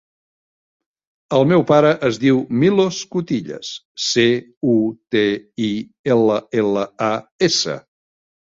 El meu pare es diu Milos Cutillas: ce, u, te, i, ela, ela, a, essa.